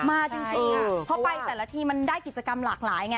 มาจริงเพราะไปแต่ละทีมันได้กิจกรรมหลากหลายไง